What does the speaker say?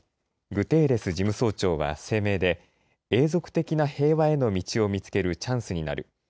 グテーレス事務総長は声明で永続的な平和への道を見つけるチャンスになる。